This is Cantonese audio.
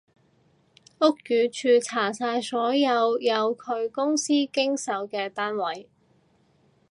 屋宇署查晒所有佢公司經手嘅單位